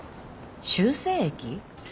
修正液？